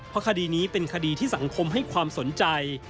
เพราะคดีนี้เป็นคดีที่สังคมให้ความสนใจ